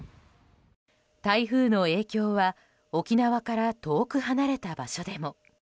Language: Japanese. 台風の影響は沖縄から遠く離れた場所でも。